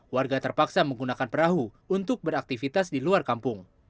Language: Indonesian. warga terpaksa menggunakan perahu untuk beraktivitas di luar kampung